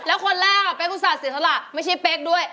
แล้วคนแรกเป็นผู้สาธารณ์ศิษยธรรมไม่ใช่เป๊กด้วย